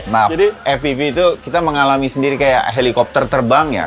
nah fvv itu kita mengalami sendiri kayak helikopter terbang ya